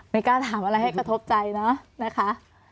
ไม่กล้าถามอะไรให้กระทบใจเนอะนะคะ